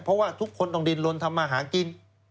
เพราะว่าทุกคนต้องดินลนทำมาหากิน